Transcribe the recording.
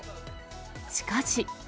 しかし。